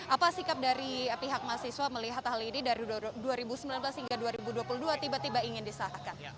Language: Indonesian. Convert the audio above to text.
apa sikap dari pihak mahasiswa melihat hal ini dari dua ribu sembilan belas hingga dua ribu dua puluh dua tiba tiba ingin disahkan